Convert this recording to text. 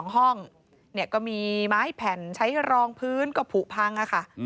๒ห้องก็มีไม้แผ่นใช้รองพื้นก็ผูกพังค่ะ